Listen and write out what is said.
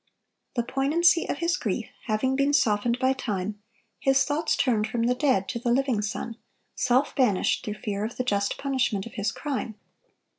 The poignancy of his grief having been softened by time, his thoughts turned from the dead to the living son, self banished through fear of the just punishment of his crime.